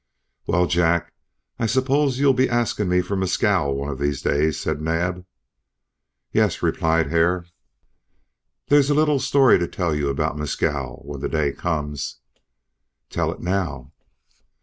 "Well, Jack, I suppose you'll be asking me for Mescal one of these days," said Naab. "Yes," replied Hare. "There's a little story to tell you about Mescal, when the day comes." "Tell it now."